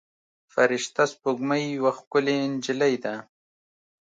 فرشته سپوږمۍ یوه ښکلې نجلۍ ده.